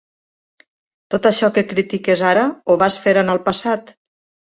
Tot això que critiques ara, ho vas fer en el passat?